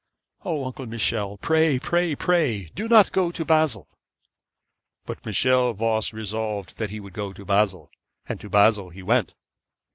O, Uncle Michel, pray, pray, pray do not go to Basle!' But Michel Voss resolved that he would go to Basle, and to Basle he went.